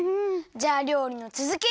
じゃありょうりのつづき！